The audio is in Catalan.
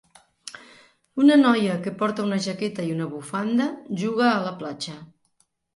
Una noia que porta una jaqueta i una bufanda juga a la platja.